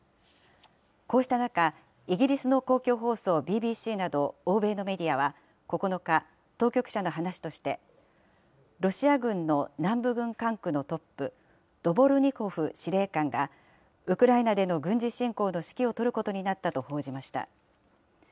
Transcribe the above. こうした中、イギリスの公共放送ＢＢＣなど、欧米のメディアは、９日、当局者の話として、ロシア軍の南部軍管区のトップ、ドボルニコフ司令官が、ウクライナでの軍事侵攻の指揮を執ることになったと報じました。